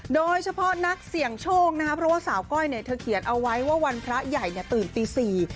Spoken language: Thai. โดยเฉพาะนักเสี่ยงโชคนะครับเพราะว่าสาวก้อยเนี่ยเธอเขียนเอาไว้ว่าวันพระใหญ่เนี่ยตื่นตีสี่